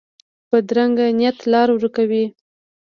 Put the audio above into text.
بدرنګه نیت لار ورکه وي